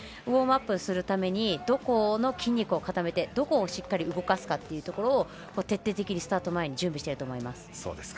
ウォームアップするためにどこの筋肉を固めてどこをしっかり動かすかを徹底的にスタート前に準備してると思います。